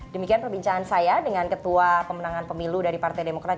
demikian perbincangan saya dengan ketua pemenangan pemilu dari partai demokrat